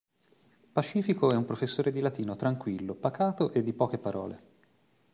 Pacifico è un professore di latino tranquillo, pacato e di poche parole.